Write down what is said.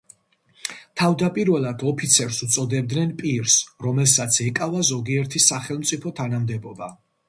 თავდაპირველად ოფიცერს უწოდებდნენ პირს, რომელსაც ეკავა ზოგიერთი სახელმწიფო თანამდებობა.